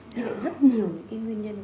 như vậy rất nhiều nguyên nhân